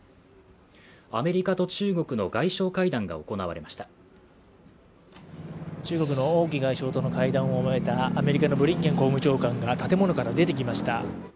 アメリカと中国の外相会談が行われました中国の王毅外相との会談を終えたアメリカのブリンケン国務長官が建物から出てきました